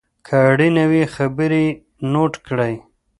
که اړینه وي خبرې یې نوټ کړئ.